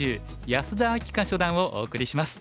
安田明夏初段」をお送りします。